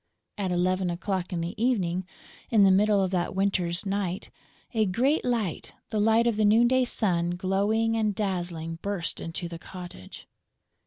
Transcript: At eleven o'clock in the evening, in the middle of that winter's night, a great light, the light of the noon day sun, glowing and dazzling, burst into the cottage.